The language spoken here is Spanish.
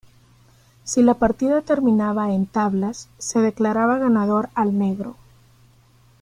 Si la partida terminaba en tablas, se declaraba ganador al Negro.